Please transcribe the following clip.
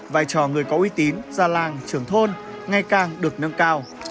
vai trò người có uy tín gia làng trưởng thôn ngày càng được nâng cao